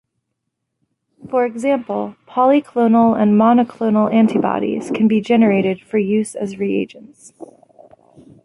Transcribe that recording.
For example, polyclonal and monoclonal antibodies can be generated for use as reagents.